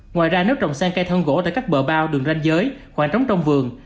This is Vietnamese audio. ngoài ra nếu trồng sen cây thân gỗ tại các bờ bao đường ranh giới khoảng trống trong vườn